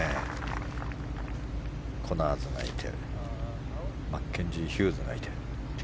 コナーズがいてマッケンジー・ヒューズがいて。